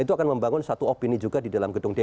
itu akan membangun satu opini juga di dalam gedung dpr